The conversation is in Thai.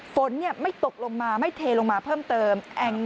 ฝนไม่ตกลงมาไม่เทลงมาเพิ่มเติม